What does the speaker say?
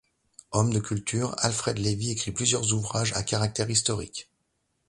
Homme de culture, Alfred Lévy écrit plusieurs ouvrages à caractère historique.